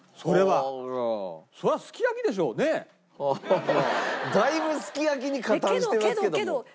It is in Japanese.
アハハだいぶすき焼きに加担してますけども。